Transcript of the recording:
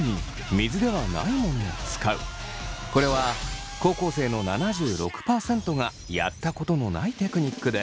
これは高校生の７６％がやったことのないテクニックです。